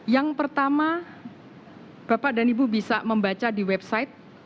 yang pertama bapak dan ibu bisa membaca di website